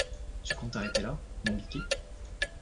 Tu comptes t’arrêter là, mon biquet ?